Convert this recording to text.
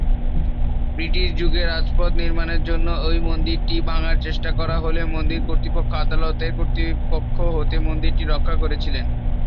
British যুগে রাজপথ নির্মাণের জন্য এই মন্দিরটি ভাঙার চেষ্টা করা হলে মন্দির কর্তৃপক্ষ আদালতের কর্তৃপক্ষ হয়ে মন্দিরটি রক্ষা করেছিলেন।